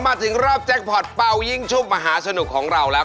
มาถึงรอบแจ็คพอร์ตเป้ายิ่งชุบมหาสนุกของเราแล้ว